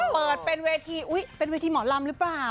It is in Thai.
เปิดเป็นเวทีอุ๊ยเป็นเวทีหมอลำหรือเปล่า